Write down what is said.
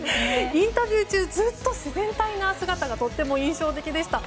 インタビュー中ずっと自然体な姿がとても印象的でした。